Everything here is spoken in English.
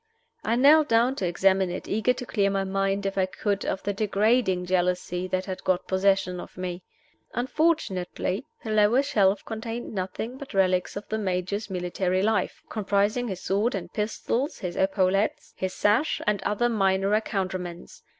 I knelt down to examine it, eager to clear my mind, if I could, of the degrading jealousy that had got possession of me. Unfortunately, the lower shelf contained nothing but relics of the Major's military life, comprising his sword and pistols, his epaulets, his sash, and other minor accouterments.